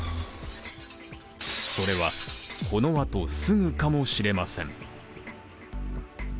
それは、このあとすぐかもしれません。